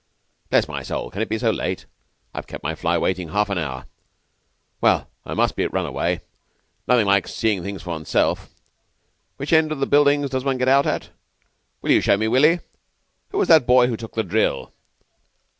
"Bless my soul! Can it be so late? I've kept my fly waiting half an hour. Well, I must run away. Nothing like seeing things for one's self. Which end of the buildings does one get out at? Will you show me, Willy? Who was that boy who took the drill?"